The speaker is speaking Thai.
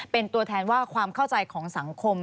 เป็นตัวแทนว่าความเข้าใจของสังคม